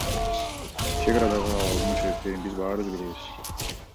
Чек арадагы абалдын себептерин биз баарыбыз билебиз.